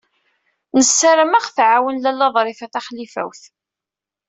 Nessaram ad aɣ-tɛawen Lalla Ḍrifa Taxlifawt.